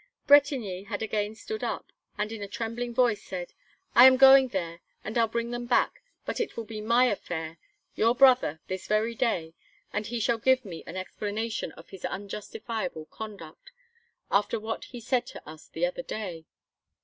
Bretigny had again stood up, and in a trembling voice, said: "I am going there and I'll bring them back, but it will be my affair your brother this very day and he shall give me an explanation of his unjustifiable conduct, after what he said to us the other day."